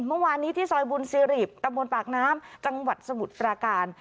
มาวานนี้ที่ซอยบุญสี่หลีตำบนปากน้ำจังหวัดสมุทรการ